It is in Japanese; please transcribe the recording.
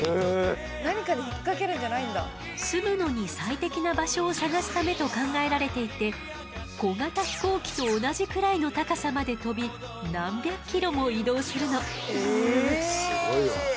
すむのに最適な場所を探すためと考えられていて小型飛行機と同じくらいの高さまで飛び何百キロも移動するの。